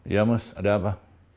ya mas ada apa